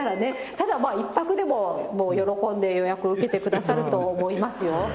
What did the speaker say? ただ１泊でも喜んで予約を受けてくださると思いますよ。